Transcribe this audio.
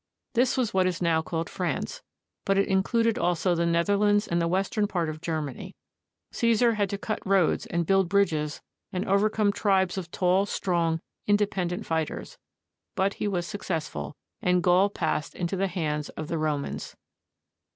This was what is now called France, but it included also the Netherlands and the western part of Germany. Caesar had to cut roads and build bridges and overcome tribes of tall, strong, independ ent fighters; but he was successful, and Gaul passed into the hands of the Romans.